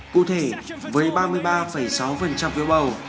cụ thể với ba mươi ba sáu phiếu bầu